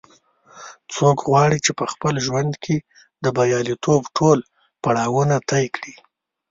څوک غواړي چې په خپل ژوند کې د بریالیتوب ټول پړاوونه طې کړي